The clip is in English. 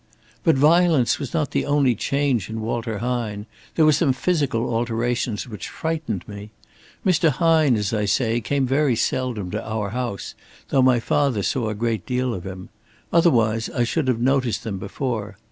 "But violence was not the only change in Walter Hine. There were some physical alterations which frightened me. Mr. Hine, as I say, came very seldom to our house, though my father saw a great deal of him. Otherwise I should have noticed them before.